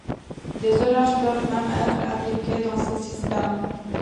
Des orages peuvent même être imbriqués dans ces systèmes.